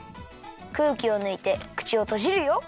くうきをぬいてくちをとじるよ。